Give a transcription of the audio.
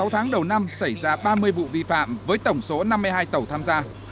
sáu tháng đầu năm xảy ra ba mươi vụ vi phạm với tổng số năm mươi hai tàu tham gia